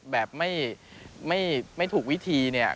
แบบไม่ถูกวิธีเนี่ย